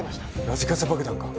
ラジカセ爆弾か？